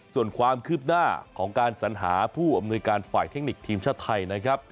ส่วนความคืบหน้าของการสัญหาผู้อำนวยการฝ่ายเทคนิคทีมชาติไทยนะครับ